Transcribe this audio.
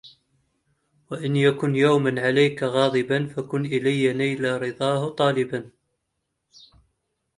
وإن يكن يوما عليك غاضبا فكن إلي نيل رضاه طالبا